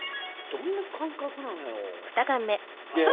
どんな感覚なんやろ。